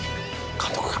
監督か？